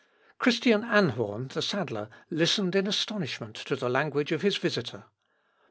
Christian Anhorn, the saddler, listened in astonishment to the language of his visitor.